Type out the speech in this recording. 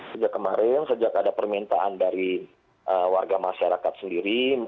sejak kemarin sejak ada permintaan dari warga masyarakat sendiri